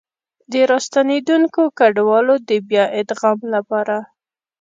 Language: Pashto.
د راستنېدونکو کډوالو د بيا ادغام لپاره